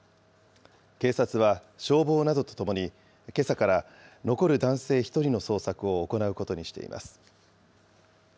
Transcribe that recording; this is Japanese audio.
警察は、消防などとともに、けさから残る男性１人の捜索を行うことにしています。